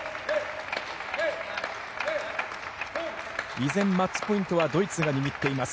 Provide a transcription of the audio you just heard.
依然マッチポイントはドイツが握っています。